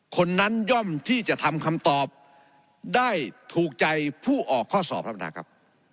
คนนั้นย่อมที่จะทำคำตอบได้ถูกใจผู้ออกข้อสอบท่านประธานครับ